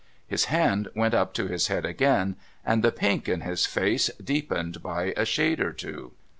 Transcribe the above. His hand went up to his head again, and the pink in his face deepened by a shade or two.